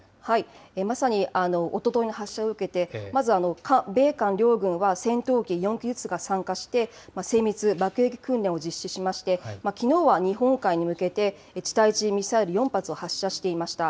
まさに、おとといの発射を受けて、まず米韓両軍は戦闘機４機ずつが参加して、精密爆撃訓練を実施しまして、きのうは日本海に向けて、地対地ミサイル４発を発射していました。